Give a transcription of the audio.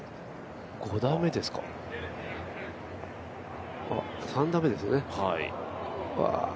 ５打目ですかあ、３打目ですね。